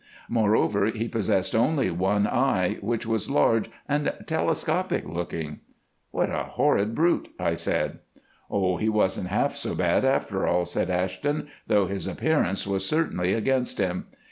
Moreover, he possessed only one eye, which was large and telescopic looking." "What a horrid brute," I said. "Oh! he wasn't half so bad after all," said Ashton, "though his appearance was certainly against him.